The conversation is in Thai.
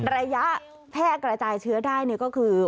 ระยะแพร่กระจายเชื้อได้ก็คือ